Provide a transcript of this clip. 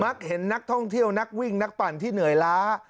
เห็นนักท่องเที่ยวนักวิ่งนักปั่นที่เหนื่อยล้า